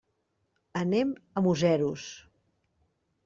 Anem a Museros.